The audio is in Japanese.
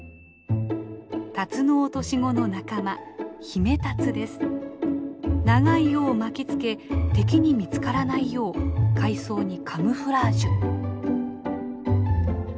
タツノオトシゴの仲間長い尾を巻きつけ敵に見つからないよう海藻にカムフラージュ。